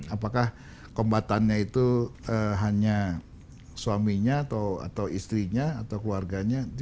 apakah kombatannya itu hanya suaminya atau istrinya atau keluarganya